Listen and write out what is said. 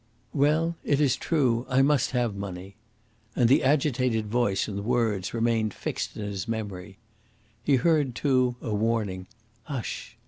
"Well, it is true; I must have money." And the agitated voice and words remained fixed in his memory. He heard, too, a warning "Hush!"